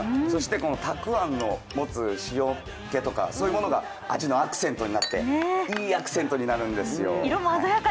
そしてたくあんのもつ塩気が味のアクセントになって、いいアクセントになるんですよ。